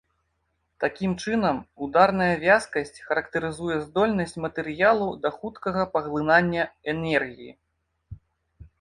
Такім чынам, ударная вязкасць характарызуе здольнасць матэрыялу да хуткага паглынання энергіі.